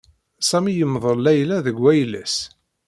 Sami yemḍel Layla deg wayla-s.